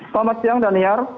selamat siang daniar